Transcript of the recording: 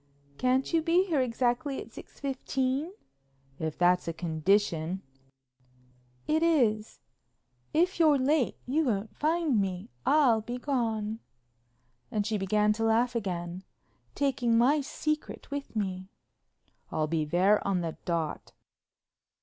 "Can't you be there exactly at six fifteen?" "If that's a condition." "It is. If you're late you won't find me. I'll be gone"—she began to laugh again—"taking my secret with me." "I'll be there on the dot."